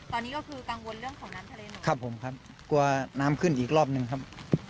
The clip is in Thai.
ตอนนี้ก็คือกังวลเรื่องของน้ำทะเลหน่อยครับผมครับกลัวน้ำขึ้นอีกรอบหนึ่งครับ